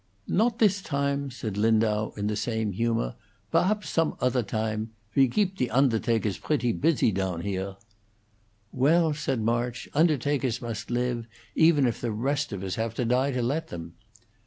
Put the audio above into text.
"Nodt this time," said Lindau, in the same humor. "Berhaps some other time. We geep the ondertakers bratty puzy down here." "Well," said March, "undertakers must live, even if the rest of us have to die to let them."